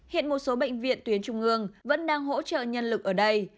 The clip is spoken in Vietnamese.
hiện một số bệnh viện tuyến trung ương vẫn đang hỗ trợ nhân lực ở đây